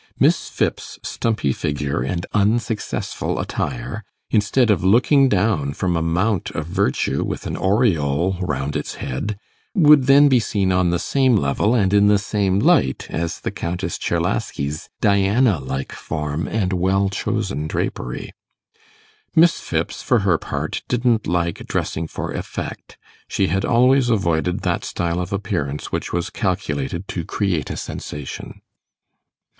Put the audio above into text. Miss Phipps's stumpy figure and unsuccessful attire, instead of looking down from a mount of virtue with an aureole round its head, would then be seen on the same level and in the same light as the Countess Czerlaski's Diana like form and well chosen drapery. Miss Phipps, for her part, didn't like dressing for effect she had always avoided that style of appearance which was calculated to create a sensation.